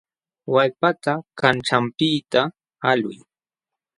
Wallpata kanćhanpiqta alquy.